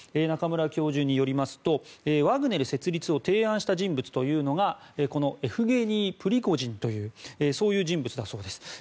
中村教授によりますとワグネル設立を提案した人物というのがエフゲニー・プリゴジンという人物だそうです。